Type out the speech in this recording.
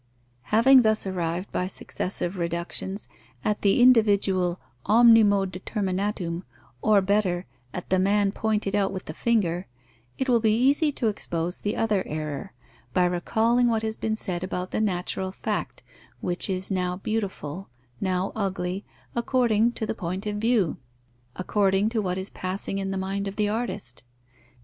Having thus arrived, by successive reductions, at the individual omnimode determinatum, or, better, at the man pointed out with the finger, it will be easy to expose the other error, by recalling what has been said about the natural fact, which is now beautiful, now ugly, according to the point of view, according to what is passing in the mind of the artist.